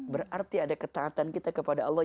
berarti ada ketaatan kita kepada allah